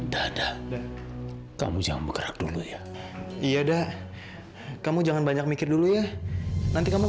dada kamu jangan bergerak dulu ya iya dah kamu jangan banyak mikir dulu ya nanti kamu